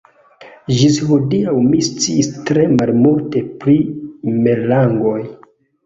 Ĝis hodiaŭ mi sciis tre malmulte pri merlangoj.